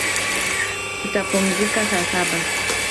Tutapumzika saa saba